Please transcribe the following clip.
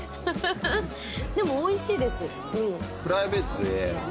でもおいしいです。